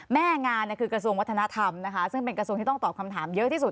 แม่งานคือกระทรวงวัฒนธรรมนะคะซึ่งเป็นกระทรวงที่ต้องตอบคำถามเยอะที่สุด